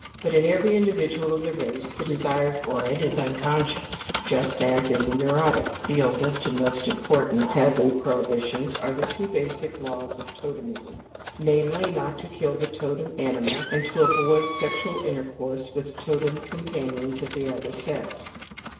But in every individual of the race the desire for it is unconscious, just as in the neurotic. The oldest and most important taboo prohi bitions are the two basic laws of totemism: namely not to kill the totem animal, and to avoid b ^\ 54 TOTEM AND TABOO sexual intercourse with totem companions of the other sex.